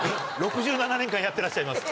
６７年間やってらっしゃいます。